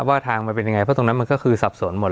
ว่าทางมันเป็นยังไงเพราะตรงนั้นมันก็คือสับสนหมด